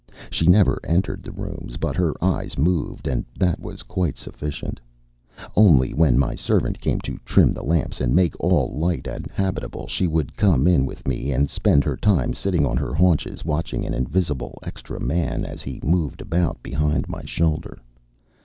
She never entered the rooms, but her eyes moved, and that was quite sufficient. Only when my servant came to trim the lamps and make all light and habitable, she would come in with me and spend her time sitting on her haunches watching an invisible extra man as he moved about behind my shoulder.